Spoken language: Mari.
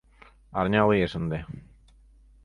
— Арня лиеш ынде.